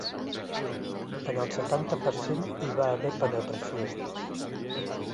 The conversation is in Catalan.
En el setanta per cent hi va haver penetració.